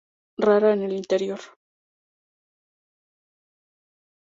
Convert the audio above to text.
Rara en el interior.